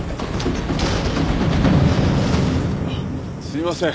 すいません